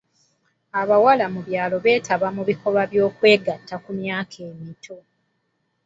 Abawala mu byalo beetaba mu bikolwa by'okwegatta ku myaka emito.